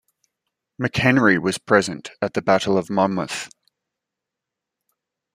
McHenry was present at the Battle of Monmouth.